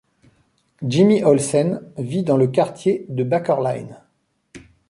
Jimmy Olsen vit dans le quartier de Bakerline.